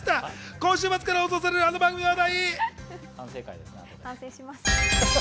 今週末から放送される、あの番組の話題！